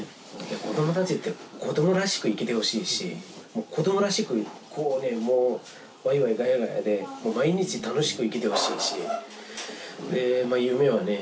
子どもたちって子どもらしく生きてほしいし子どもらしくワイワイガヤガヤで毎日楽しく生きてほしいしで夢はね